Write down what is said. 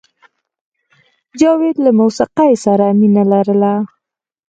جاوید له موسیقۍ سره مینه لرله